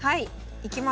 いきます。